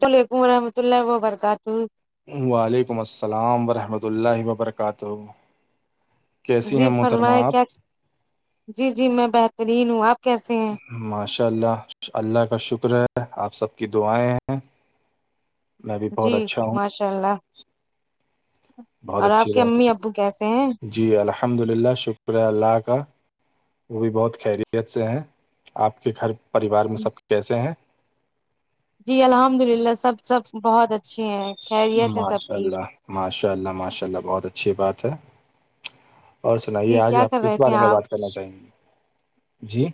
وعلیکم ورحمۃ اللہ وبرکاتہ وعلیکم السلام ورحمۃ اللہ وبرکاتہ کیسی ہیں جی محترمہ فرمائے آپ کیا جی جی میں بہترین ہوں آپ کیسے ہیں ماشاء اللہ اللہ کا شکر ہے آپ سب کی دعائیں ہیں میں بھی جی بہت اچھا ہوں ماشاء اللہ بہت اور آپ اچھی کے بات امی ابو کیسے ہیں ہے جی الحمد للہ شکریہ اللہ کا وہ بھی بہت خیریت سے ہیں آپ کے گھر پریوار میں سب کیسے ہیں جی الحمد للہ سب سب بہت اچھے ہیں خیریت ہے سب ماشاء کی اللہ ماشاء اللہ ماشاء اللہ بہت اچھی بات ہے اور سنائیے جی آج کیا آپ کر رہے کس تھے بارے میں آپ بات کرنا چاہیں گے جی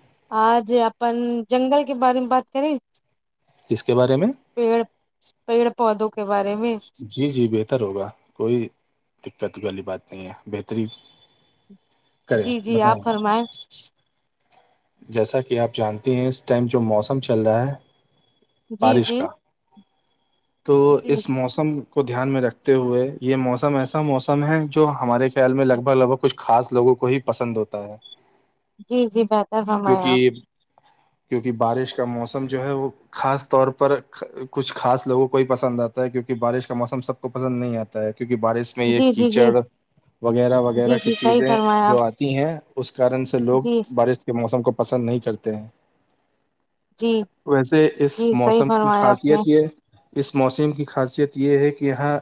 آج اپن جنگل کے بارے میں بات کریں کس کے بارے میں پیڑ پیڑ پودوں کے بارے میں جی جی بہتر ہوگا کوئی دقت والی بات نہیں ہے بہترین جی جی آپ فرمائیں جیسا کہ آپ جانتے ہیں اس ٹائم جو موسم چل رہا ہے جی بارش جی کا تو جی اس موسم موسم کو دھیان میں رکھتے ہوئے یہ موسم ایسا موسم ہے جو ہمارے خیال میں لگ بھگ لگ بھگ کچھ خا لوگوں کو ہی پسند ہوتا ہے جی جی بہتر ہمے آپ کیونکہ کیونکہ بارش کا موسم جو ہے وہ خاص طور پر کچھ خاص لوگوں کو ہی پسند آتا ہے کیونکہ بارش کا موسم سب کو پسند نہیں آتا ہے کیونک بارش میں آپ یہ جی جی کیچڑ جی وغیرہ جی وغیرہ کی جی صحیح چیزیں فرمایا آپ جو آتی ہیں اس کارن سے لوگ جی بارش یہ موسم کو پسند نہیں کرتے ہیں جی ویسے اس جی صحیح موسم کی فرمایا آپ نے خاصیت یہ اس موسم کی خاصی یہ ہے کہ یہاں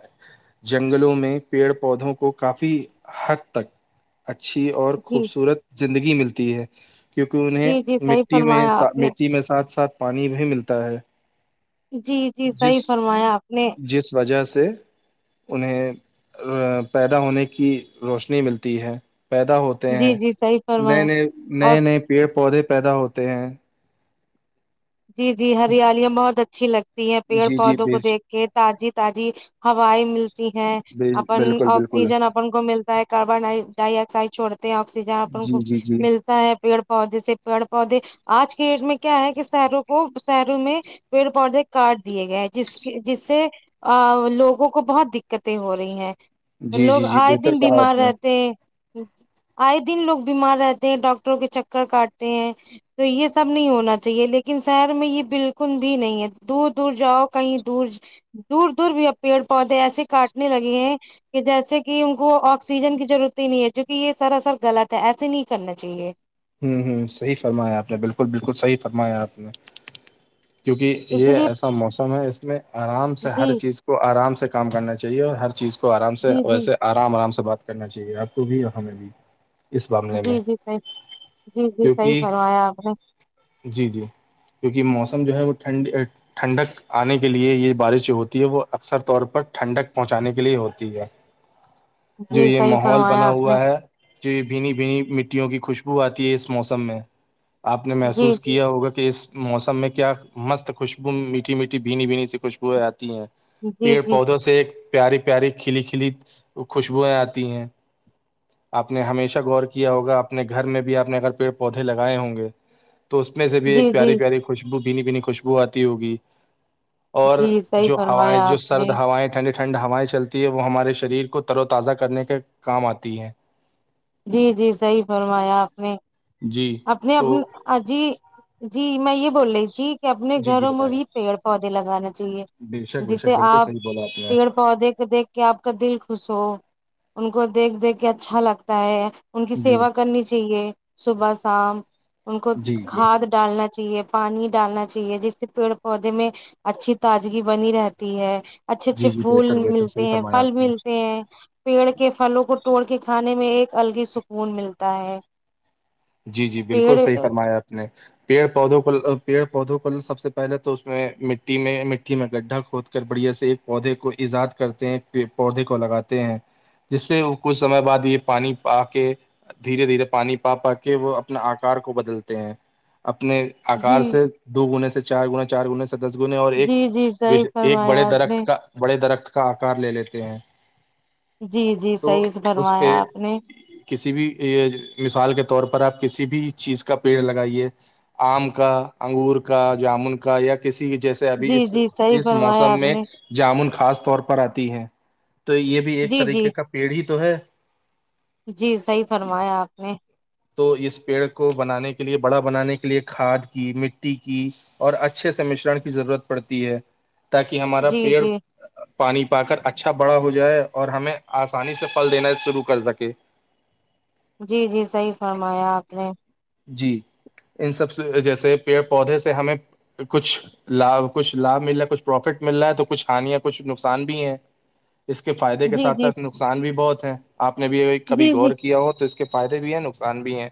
جنگلوں میں پیڑ پودوں کو کافی حد تک اچھی اور جی خوبصورت زندگی ملتی ہے کیونکہ انہیں جی جی صحیح مٹی میں فرمایا آپ نے مٹی میں ساتھ ساتھ پانی بھی ملتا ہے جی جی صحیح جس فرمایا آپ نے جس وجہ سے انہیں پیدا ہونے کی روشنی ملتی ہے پیدا ہو جی ہیں جی صحیح نئے فرمایا نئے اور نئے نئے پیڑ پودے پیدا ہوتے ہیں جی جی ہریالیاں بہت اچھی لگتی ہیں پیڑ جی جی پودوں کو دیکھ کہ تازی تازی ہویں ملتی ہیں اپن بالکل بالکل آکسیجن اپن کو ملتا ہے کاربن ڈائی آکسائڈ چھڑتے ہیں آکسیجن آ جی کو جی جی ملتا ہے پیڑ پودے سے پیڑ پودے آج کی ڈیٹ میں کیا ہے شہروں کو شہروں میں پیڑ پودے کاٹ دیے گئے ہیں جس کے جس سے ا لوگوں کو بہت دقتیں ہو رہی ہیں جی جی لوگ جی آئے بہتر دن کہا بیمار آپ نے رہتے ہیں آئے دن لوگ بیمار رہتے ہیں ڈاکٹروں کے چکر کاٹتے ہیں تو یہ سب نہیں ہونا تھا چاہیے لیکن شہر میں یہ بالکل بھی نہیں ہے دور دور جاؤ کہیں دور دور دور بھی اب پیڑ پودے ایسے کاٹنے لگے ہیں کہ جیسے کہ ان کو آکسیجن کی ضرورت ہی نہیں ہے چونکہ یہ سراصر غلط ہے ایسے نہیں کرنا چاہیے ہوں ہوں صحی فرمایا آپ نے بالکل بالکل صحیح فرمایا آپ نے کیونکہ اس یہ لیے ایسا موسم ہے اس میں آرام سے جی ہر چیز کو آرام سے کام کرنا چاہیے اور ہر چیز اس کو آرام سے جی جی ویسے آرام آرام سے بات کرنا چاہیے آپ کو بھی اور ہمیں بھی اس معاملے جی میں جی صحیح جی جی صحیح کیونکہ فرمایا آپ نے جی جی کیونکہ موسم جو ہے وہ ٹھنڈ ٹھنڈک آنے کے لیے یہ بارش جو ہوتی ہے وہ اکثر طور پر ٹھنڈک پہنچانے کے لیے ہوتی ہے گبب جو یہ ماحول بنا ہوا ہے جو یہ بھینی بھینی مٹیوں کی خوشبو آتی ہے اس موسم میں آپ نے جی محسوس جی کیا ہوگا کہ اس موسم میں کیا مست خوشبو میٹھی میٹھی بھینی بھینی سی خوشبویاں آتی ہیں جی پیڑ جی پودوں سے ایک پیاری پیاری کھلی کھلی خوشبوئیں آتی ہیں آپ نے ہمیشہ غور کیا ہوگا اپنے گھر میں بھی آپ اگر پیڑ پودے لگائے ہوں گے تو اس میں سے بھی جی ایک جی پیاری پیاری کوئی خوشبو بنی بنی خوشبو آتی ہوگی اور جی صحیح جو فرمایا ہوائیں جو آپ نے سرد ہوائیں ٹھنڈی ٹھنڈ ہوائیں چلتی ہے وہ ہمارے شریر کو ترو تازہ کرنے کے کام آتی ہے جی جی صحیح فرمایا آپ نے جی اپنے تو اپ جی جی میں یہ بول رہی تھی کہ اپنے جی جی گھروں میں بتائیں بھی پیڑ پودے لگانا چاہیے بے شک بے جسے شک بالکل آپ صحیح بولا آپ نے پیڑ پودے کو دیک کہ آپ کا دل خوش ہو ان کو دیکھ دیکھ کے اچھا لگتا ہے ان کی جی سیوا کرنی چاہیے صبح شام ان کو جی جی کھاد ڈالنا چاہیے پانی ڈالنا چاہیے جس سے پیڑ پودے میں اچھی تازگی بنی رہتی ہے اچھے جی اچھے جی پھول بہتر بہتر صحیح ملتے ہیں فرمایا پھل آپ نے ملتے ہیں پیڑ کے پھلوں کو توٹڑ کے کھانے میں ایک الگ ہی سکون ملتا ہے جی جی پیڑ بالکل صحیح فرمایا آپ نے پیڑ پودوں کو پیڑ پودوں کو سب سے پہلے تو اس میں مٹی میں مٹی میں گڈھا کھود بڑھیا سے ایک پودے کو ایجاد کرتے ہیں پودے کو لگاتے ہیں جس سے کچھ سمے بعد یہ پانی پا کے دھیرے دھیرے پانی پا پ کہ وہ اپنے آکار کو بدلتے ہیں اپنے جی آکار سے دو گنے سے چار گنے چار گنے سے دس گنے اور جی ایک جی صحیح ایک بڑے فرمایا آپ درخت نے کا بڑے درخت کا آکار لے لیتے ہیں جی جی تو صحیح س اس بھروایا پہ آپ نے کسی بھی مثال کے طور پر آپ کسی بھی چیز کا پیڑ لگائیے آم کا انگور کا جامن کا یا کسی جیسے ابھی جی اس جی صحیح اس فرمایا موسم آپ میں نے جامن خاص طور پر آتی ہے تو یہ بھی ایک جی جی طریقے کا پیڑ ہی تو ہے جی صحیح فرمایا آپ نے تو اس پیڑ کو بنانے کے لیے بڑا بنانے کے لیے کھاد کی مٹی کی اور اچھے سے مشرن کی ضرورت پڑتی ہے تاکہ ہمارا جی پیڑ جی پانی پا کر اچھا بڑا ہو جائے اور ہمیں آسانی سے پھل دینا شروع کر سکے جی جی صحیح فرمایا آپ نے جی ان سب سے جیسے پیڑ پودے سے ہمیں کچھ لابھ کچھ لابھ مل رہا ہے کچھ پروفٹ مل رہا ہے تو کچھ کانیا کچھ نقصان بھی ہیں اس کے فائدے کے جی ساتھ جی ساتھ نقصان بھی بہت ہے آپ نے بھی کبھی جی غور جی کیا ہو تو اس کے فائدے بھی ہے نقسان بھی ہیں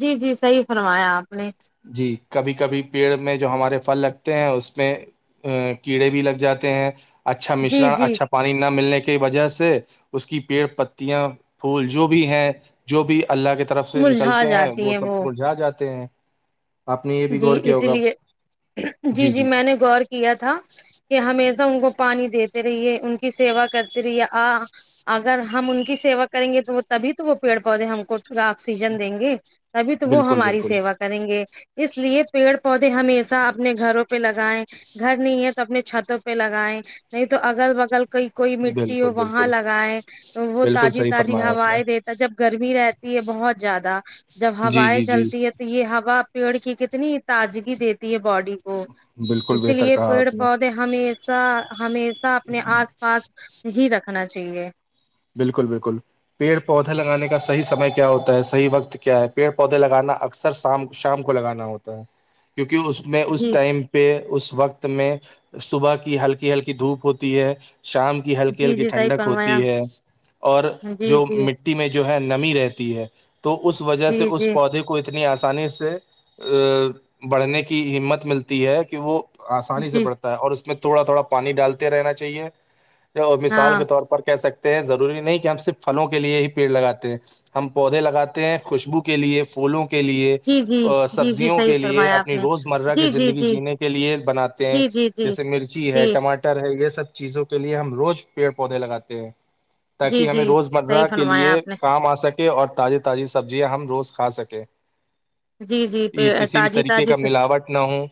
جی جی صحیح فرمایا آپ نے جی کبھی کبھی پیڑ میں جو ہمارے پھل لگتے ہیں اس میں ا کیڑے بھی لگ جاتے ہیں اچھا جی مشرن جی اچھا پانی نہ ملنے کی وجہ سے اس کی پیڑ پتیاں پھول جو بھی ہیں جو بھی اللہ کی طرف سے نکلتے ہیں وہ سب برجھا جاتے ہیں آپ نے یہ بھی جی غور کیا اسی ہوگا لیے جی جی میں نے غور کیا تھا کہ ہمیشہ ان کو پانی دیتے رہیے ان کی سیوا کرتے رہیے آ اگر ہم ان کی سیوا کریں گے تو وہ تبھی تو وہ پیڑ پودے ہم کو آکسیجن دیں گے تبھی تو وہ بالکل ہماری بالکل سیوا کریں گے اس لیے پیڑ پودے ہمی اپنے گھروں پہ لگائےیں گھر نہیں ہے تو اپنے چھتوں پہ لگیں نہیں تو اگل بگل کوئی کوئی مٹی ہو بالکل وہاں بالکل لگائے تو وہ بالکل تازی صحیح تازی فرمایا آپ نے ہوائیں دیتا جب گرمی رہ بہت زیادہ جب جی ہوائیں جی جی چلتی ہے تو یہ ہوا پیڑ کی کتنی تازگی دیتی ہے باڈی کو بالکل اسی بہتر لیے کہا پیڑ آپ نے پودے ہمیشہ ہمیشہ اپنے آس پا پاس ہی رکھنا چاہیے بالکل بالکل پیڑ پودے لگانے کا صحی سمے کیا ہوتا ہے صحی وقت کیا ہے پیڑ پودے لگانا اکثر شام شام کو لگانا ہوتا ہے کیونکہ اس میں اس جی ٹائم پہ اس وقت میں صبح کی ہلکی ہلکی دھوپ ہوتی ہے شام کے کی ہلکی جی ہلکی جی صحیح ٹھڈک فرمایا ہوتی ہے اور جی جو جی مٹی میں جو ہے نمی رہتی ہے تو اس وجہ جی سے اس جی پودے کو اتنی آسانی سے بڑھنے کی ہمت ملتی ہے کہ وہ آسانی سے جی پڑتا ہے اور اس میں تھوڑا تھوڑا پانی ڈالتے رہنا چاہیے اور مثال ہاں کے طور پر کہہ سکتے ہیں ضروری نہیں کہ ہم صرف پھلوں کے لیے ہی پیڑ لگاتے ہیں ہم پودے لگاتے ہیں خوشبو کے لیے پھولوں کے کے لیے جی جی جی جی سبزیوں صحیح کے لیے فرمایا آپ اپنی نے روز مرہ کی جی جی زندگی جی جینے کے لیے بناتے ہیں جی جی جی جیسے مرچی ہے جی ٹماٹر ہے یہ سب چیزوں کے لیے ہم روز پیڑ پودے لگاتے ہیں جی تاکہ ہمیں جی روز صحیح مرہ کے فرمایا لیے آپ نے کام آ سکے اور تازی تازی سبزیاں ہم روز کھا سکیں جی جی یہ پے کسی بھی تازی طریقے تازی کا ملاوٹ نہ ہو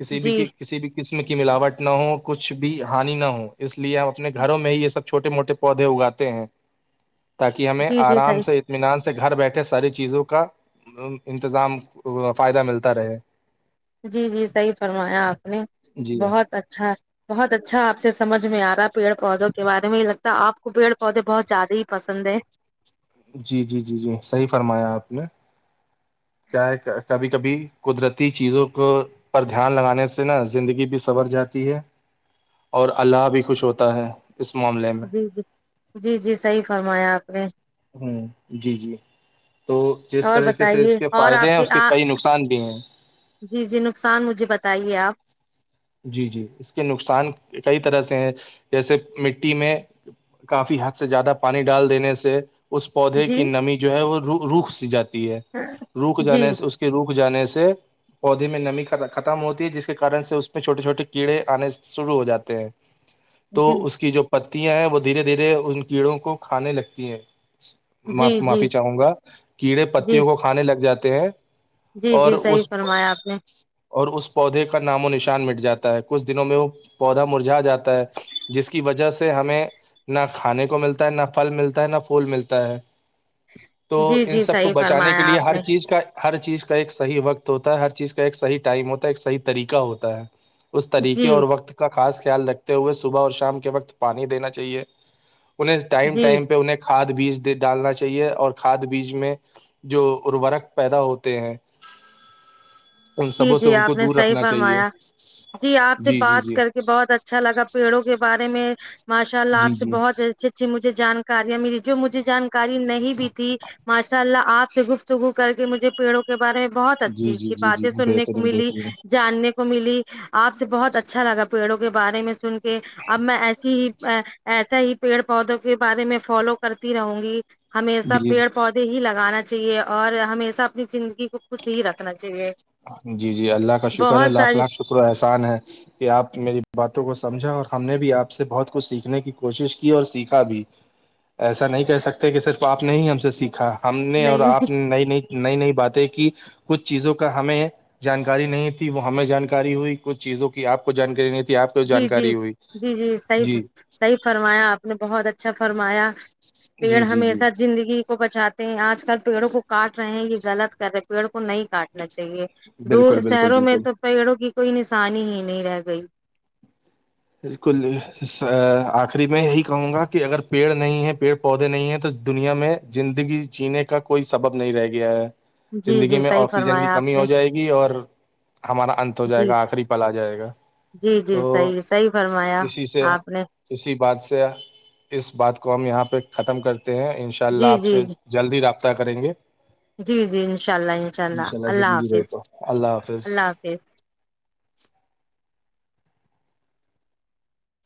کسی بھی جی کسی بھی قسم کی ملاوٹ نہ ہو کچھ بھی ہانی نہ ہو اس لیے ہم اپنے گھروں میں ہی یہ سب چھوٹے موٹے پودے اگاتے ہیں تاکہ ہمیں جی جی آرام صحیح سے انے اطمینان سے گھر بیٹھے ساری چیزوں کا انتظام فائدہ ملتا رہے جی جی صحیح فرمایا آپ نے جی بہت اچھا بہت اچھا آپ سے سمجھ میں آ رہا ہے پیڑ پودوں کے بارے میں یہ لگتا ہے آپ کو پڑ پودے بہت زیادہ ہی پسند ہے جی جی جی جی صحیح فرمایا آپ نے چاہے کبھی کبھی قدرتی چیزوں کو پر دھیان لگانے سے نا زندگی بھی سنر جاتی ہے اور اللہ بھی خوش ہوتا ہے اس معاملے میں جی جی جی جی صحیح فرمایا آپ نے ہ جی جی تو جس اور طریقے سے اس بتائیے کے اور فائدے آپ ہیں اس کے آ کئی نقصان بھی ہیں جی جی نقصان مجھے بتائیے آپ جی جی اس کے نقصان کئی طرح سے ہیں جیسے مٹی میں کافی حد سے زیادہ پانی ڈال دینے سے اس پودے جی کی نمی جو ہے وہ روخ س جاتی ہے روک جی جانے سے اس روک جانے سے پودے میں نمی ختم ہوتی ہے جس کے کارن سے اس پ چھوٹے چھوٹے کیڑے آنے شروع ہو جاتے ہیں تو جی اس کی جو پتیاں ہیں وہ دھیرے دھیرے ان کیڑوں کو کھانے لگتی ہیں جی جی معافی چاہوں گا کیڑے جی پتیوں کو کھانے لگ جاتے ہیں جی اور جی صحیح اس فرمایا آپ نے اور اس پودے کا نام و نشان چ مٹ جاتا ہے کچھ دنوں میں وہ پودا مرجا جاتا ہے جس کی وجہ سے ہمیں نہ کھانے کو ملتا ہے نہ پھل ملتا ہے نہ پھول ملتا ہے تو جی ان جی سب کو صحیح بچانے کے فرمایا لیے آپ ہر نے چیز کا ہر چیز کا ایک صحیح وقت ہوتا ہے ہر چیز کا ایک صحیح ٹائم ہوتا ہے ایک صحیح طریقہ ہوتا ہے اس طریقے جی اور وقت کا خاص خیال رکھتے ہوئے صبح اور شام کے وقت پانی دینا چاہیے انہیں ٹائم جی ٹائم پہ انہیں کھاد بیج ڈالنا چاہیے اور کھاد بیج میں جو ارورک پیدا ہوتے ہیں ان جی سبوں سے جی ان کو آپ نے دور صحیح رکھنا چاہیے فرمایا جی آپ سے جی بات جی کر کے بہ بہت اچھا لگا پیڑوں کے بارے میں ماشاء اللہ جی آپ سے جی بہت اچھے اچ مجھے جانکاریاں ملی جو مجھے جانکاری نہیں بھی تھی ماشاء اللہ آپ سے گفت تو وہ کر کے مجھے پڑوں کے بارے میں بہت جی اچھی جی اچھی جی بات جی بہترین بہترین جاننے کو ملی آپ سے بہت اچھا لگا پیڑوں کے بارے میں سن کے اب میں ایسی ہی ایسا ہی پیڑ پودوں کے بارے میں فالو کرتی رہوں گی ہمیشہ جی پیڑ پہنچ د ہی لگانا چاہیے اور ہمیشہ اپنی زندگی کو خوش ہی رکھنا چاہیے جی جی اللہ کا شکر ہے بہت لاکھ ساری لاکھ شکر و احسان ہے کہ آپ میری باتوں کو سمجھا اور ہم نے بھی آپ سے بہت کچھ سیکھنے کی کوشش کی اور سیکھا بھی ایسا نہیں کر سکتے کہ صرف آپ نے ہی ہم سے سیکھا ہم نے اور نہیں آپ نے نئی نئی نئی نئی باتیں کی کچھ چیزوں ہمیں جانکاری نہیں تھی وہ ہمیں جانکاری ہوئی کچھ چیزوں کی آپ کو جانکاری نہیں تھی آپ کی جی جی جی جی صحب صحیح فرمایا آپ نے بہت اچھا فرمایا پیڑ جی جی جی ہمیشہ زندگی کو بچاتا آج کل پیڑوں کو کاٹ رہے ہیں یہ غلط کر رہے پیڑ کو نہیں کاٹنا چاہیے دور بالکل بالکل شہروں میں بالکل تو پڑو کی کوئی نشانی ہی نہیں رہ گئی بالکل آخری میں یہی کہوں گا کہ اگر پیڑ نہیں ہیں پیڑ پودے نہیں ہیں تو دنیا میں زندگی جینے کا کوئی سبب نہیں رہ گیا ہے جی زندگی جی میں صحیح آکسیجن کی فرمایا کمی آپ ہو نے جائے گی اور ہمارا انت ہو جائے جی گا آخری پل آ جائے گا جی جی تو صحیح صحیح فرمایا اسی سے آپ نے اسی بات سے اس بات کو ہم یہاں پہ ختم کرتے ہیں ان شاء اللہ جی آپ جی سے جلدی رابطہ کریں گے جی جی انشاء اللہ انشاء ان اللہ شاء اللہ زندگی رہے حافظ تو حافظ اللہ حافظ